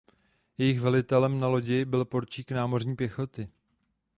Jejich velitelem na lodi byl poručík námořní pěchoty.